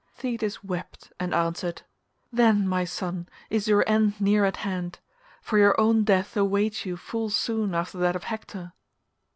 Thetis wept and answered, "Then, my son, is your end near at hand—for your own death awaits you full soon after that of Hector."